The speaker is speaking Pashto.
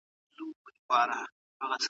ذهن ته وخت ورکړه.